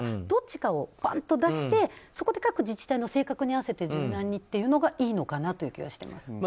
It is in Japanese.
どっちかを出してそこで各自治体の性格に合わせて柔軟にというのがいいのかなという気がします。